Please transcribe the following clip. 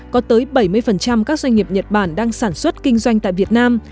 có tới bảy mươi các doanh nghiệp nhật bản đang sản xuất kinh doanh tại việt nam